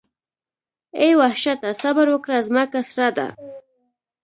اې وحشته صبر وکړه ځمکه سره ده.